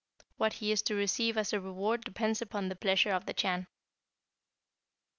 What he is to receive as a reward depends upon the pleasure of the Chan.'